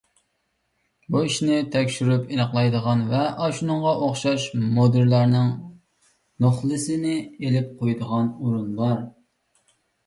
بۇ ئىشنى تەكشۈرۈپ ئېنىقلايدىغان ۋە ئاشۇنىڭغا ئوخشاش مۇدىرلارنىڭ نوخلىسىنى ئېلىپ قويىدىغان ئورۇن بار.